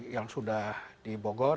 yang sudah di bogor